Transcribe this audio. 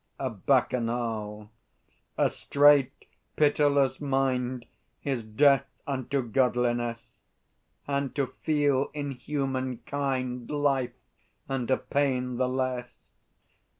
A Bacchanal. A strait pitiless mind Is death unto godliness; And to feel in human kind Life, and a pain the less.